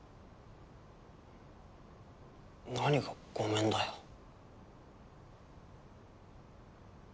何がごめんだよ。